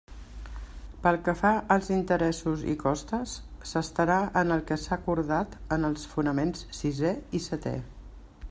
Pel que fa als interessos i costes s'estarà en el que s'ha acordat en els fonaments sisé i seté.